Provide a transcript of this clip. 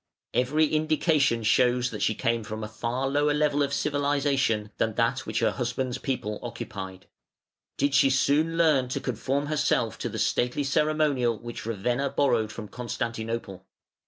Every indication shows that she came from a far lower level of civilisation than that which her husband's people occupied. Did she soon learn to conform herself to the stately ceremonial which Ravenna borrowed from Constantinople?